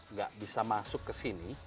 nggak bisa masuk ke sini